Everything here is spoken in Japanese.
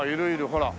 ほら。